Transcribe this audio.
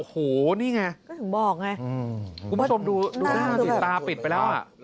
โอ้โหนี่ไงก็ถึงบอกไงกุธมดูหน้าตาปิดไปแล้ว